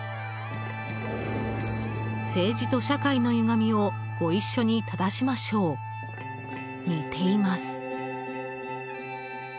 「政治と社会のゆがみをごいっしょに正しましょう」似ています。